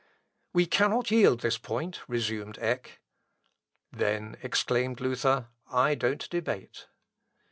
"We cannot yield this point," resumed Eck. "Then," exclaimed Luther, "I don't debate."